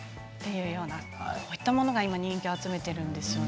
こういったものが今人気を集めているんです。